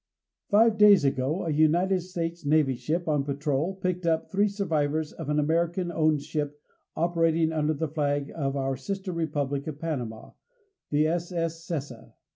Five days ago a United States Navy ship on patrol picked up three survivors of an American owned ship operating under the flag of our sister Republic of Panama the S. S. SESSA.